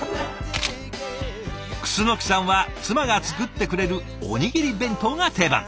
楠さんは妻が作ってくれるおにぎり弁当が定番。